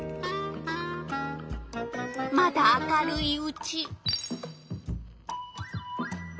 まだ明るいうち。